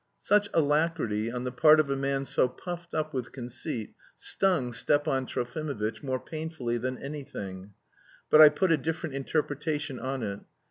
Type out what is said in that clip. Such alacrity on the part of a man so puffed up with conceit stung Stepan Trofimovitch more painfully than anything; but I put a different interpretation on it.